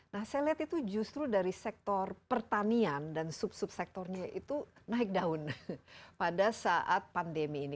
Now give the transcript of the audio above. nah saya lihat itu justru dari sektor pertanian dan sub subsektornya itu naik daun pada saat pandemi ini